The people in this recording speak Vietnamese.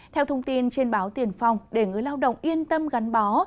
theo thông tin trên báo tiền phong để người lao động yên tâm gắn bó